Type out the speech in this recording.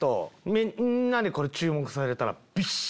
みんなに注目されたら。